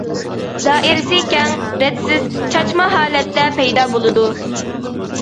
دائىرىسى كەڭ، رەتسىز، چاچما ھالەتتە پەيدا بولىدۇ.